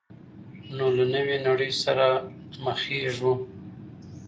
نو له نوې نړۍ سره مخېږو.